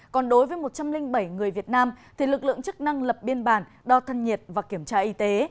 còn đối với một trăm linh bảy người việt nam thì lực lượng chức năng lập biên bản đo thân nhiệt và kiểm tra y tế